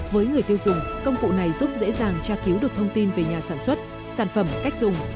với người tiêu dùng công cụ này giúp dễ dàng tra cứu được thông tin về nhà sản xuất sản phẩm cách dùng